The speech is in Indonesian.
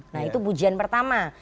nah itu pujian pertama